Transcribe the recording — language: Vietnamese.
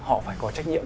họ phải có trách nhiệm